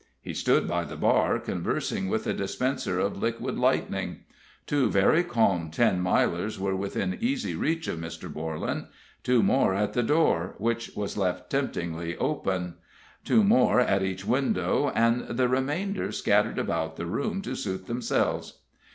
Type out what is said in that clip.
He stood by the bar conversing with the dispenser of liquid lightning. Two very calm looking Ten Milers were within easy reach of Mr. Borlan; two more at the door, which was left temptingly open; two more at each window, and the remainder scattered about the room to suit themselves.